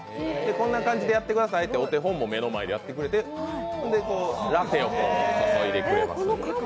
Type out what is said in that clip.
こんな感じにやってくださいってお手本も目の前でやってくれてラテを注いでくれます。